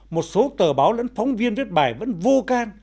một số tờ báo lẫn phóng viên viết bài vẫn vô can